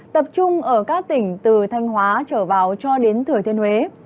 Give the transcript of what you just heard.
tập trung ở các tỉnh từ thanh hóa trở vào cho đến thừa thiên huế